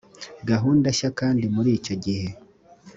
gahunda nshya kandi muri icyo gihe